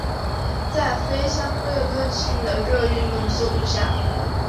在非相对论性的热运动速度下。